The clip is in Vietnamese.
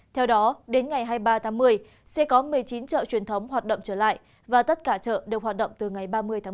theo đó đến ngày hai mươi ba tháng một mươi sẽ có một mươi chín chợ truyền thống hoạt động trở lại và tất cả chợ đều hoạt động từ ngày ba mươi tháng một mươi